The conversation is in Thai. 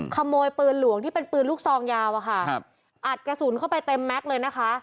ขโมยปืนหลวงที่เป็นปืนลูกซองยาวอะค่ะครับอัดกระสุนเข้าไปเต็มแม็กซ์เลยนะคะ